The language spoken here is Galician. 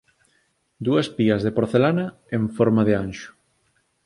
dúas pías de porcelana en forma de anxo